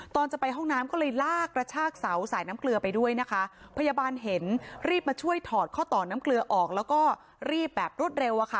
ตอนจะไปห้องน้ำก็เลยลากกระชากเสาสายน้ำเกลือไปด้วยนะคะพยาบาลเห็นรีบมาช่วยถอดข้อต่อน้ำเกลือออกแล้วก็รีบแบบรวดเร็วอะค่ะ